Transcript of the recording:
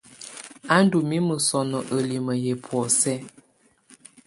A ndù mimǝ sɔnɔ ǝlimǝ yɛ bɔ̀ósɛ.